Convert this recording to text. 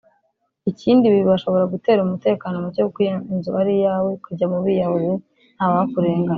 Ikindi ibi bashobora gutera um utekano muke kuko iyi nzu ari iyawe ukajya mu biiyahuzi ntawakurenganya